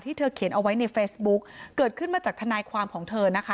เธอเขียนเอาไว้ในเฟซบุ๊กเกิดขึ้นมาจากทนายความของเธอนะคะ